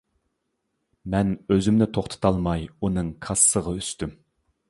مەن ئۆزۈمنى توختىتالماي ئۇنىڭ كاسىسىغا ئۈستۈم.